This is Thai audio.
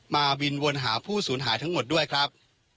มาวินวนหาผู้สูญหายทั้งหมดด้วยครับ